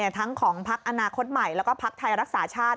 ทั้งของพักอนาคตใหม่แล้วก็พักไทยรักษาชาติ